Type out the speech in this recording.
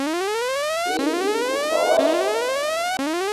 Inti kusawashka.